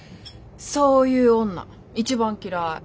そういう女一番嫌い。